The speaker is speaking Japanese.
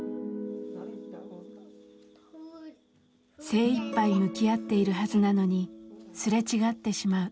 精いっぱい向き合っているはずなのにすれ違ってしまう。